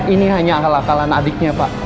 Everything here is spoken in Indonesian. ini hanya akal akalan adiknya pak